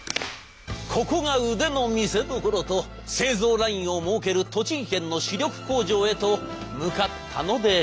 「ここが腕の見せどころ」と製造ラインを設ける栃木県の主力工場へと向かったのでございます。